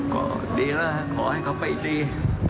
ก็ดีแล้วขอให้เขาไปดี